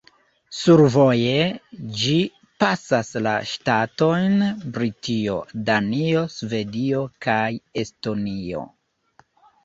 Survoje ĝi pasas la ŝtatojn Britio, Danio, Svedio kaj Estonio.